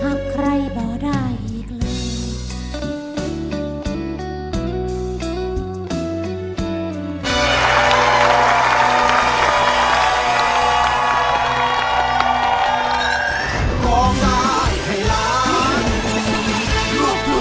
หากใครบ่อได้อีกเลย